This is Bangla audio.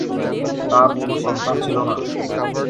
তার কোন সন্তান ছিল না।